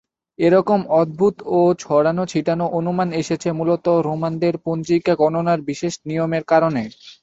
এরকম অদ্ভুত ও ছড়ানো-ছিটানো অনুমান এসেছে মূলত রোমানদের পঞ্জিকা গণনার বিশেষ নিয়মের কারণে।